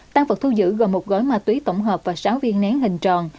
tăng vật thu giữ gồm một gói ma túy tổng hợp và sáu viên nén hình tròn